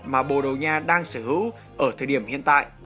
mà bordogna đang sở hữu ở thời điểm hiện tại